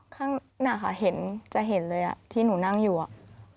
ข้างหน้าค่ะเห็นจะเห็นเลยอ่ะที่หนูนั่งอยู่อ่ะ